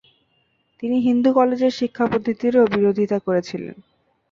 তিনি হিন্দু কলেজের শিক্ষাপদ্ধতিরও বিরোধিতা করেছিলেন।